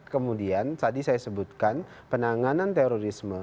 kemudian tadi saya sebutkan penanganan terorisme